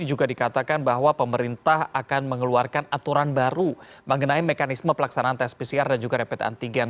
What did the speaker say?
juga dikatakan bahwa pemerintah akan mengeluarkan aturan baru mengenai mekanisme pelaksanaan tes pcr dan juga rapid antigen